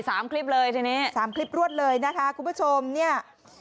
คลิปเลยทีนี้สามคลิปรวดเลยนะคะคุณผู้ชมเนี่ย